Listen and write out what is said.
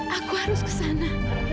aku harus ke sana